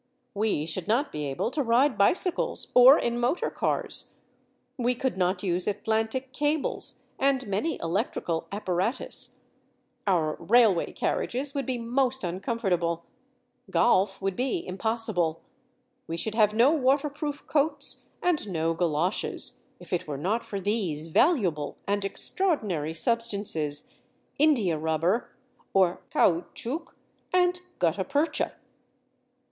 We should not be able to ride bicycles, or in motor cars; we could not use Atlantic cables and many electrical apparatus; our railway carriages would be most uncomfortable; golf would be impossible; we should have no waterproof coats and no goloshes, if it were not for these valuable and extraordinary substances, india rubber or caoutchouc, and gutta percha.